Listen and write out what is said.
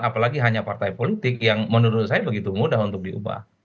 apalagi hanya partai politik yang menurut saya begitu mudah untuk diubah